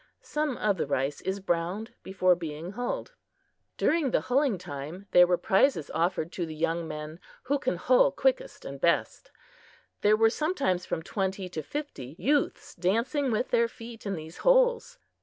Some of the rice is browned before being hulled. During the hulling time there were prizes offered to the young men who can hull quickest and best. There were sometimes from twenty to fifty youths dancing with their feet in these holes.